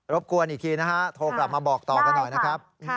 บกวนอีกทีนะฮะโทรกลับมาบอกต่อกันหน่อยนะครับ